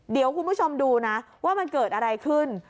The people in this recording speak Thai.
เดี๋ยวคุณผู้ชมดูนะว่ามันเกิดอะไรขึ้น